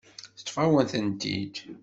Teṭṭef-awen-tent-id.